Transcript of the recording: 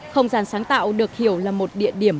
không gian sáng tạo được hiểu là một địa điểm